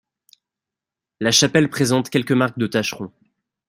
La chapelle présente quelques marques de tâcheron.